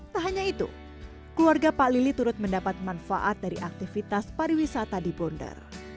tak hanya itu keluarga pak lili turut mendapat manfaat dari aktivitas pariwisata di bonder